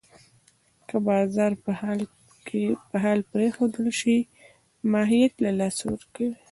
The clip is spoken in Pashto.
که بازار په حال پرېښودل شي، ماهیت له لاسه ورکوي.